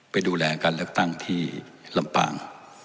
ไปดูแลการเลือกตั้งที่ลำปาง